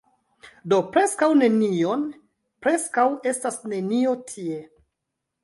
Do preskaŭ nenion... preskaŭ estas nenio tie.